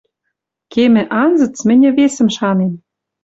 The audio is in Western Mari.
Кемӹ анзыц мӹньӹ весӹм шанем: